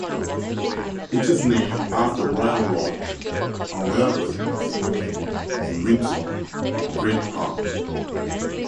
It is named after Royal Lodge, a royal residence located in Windsor Great Park.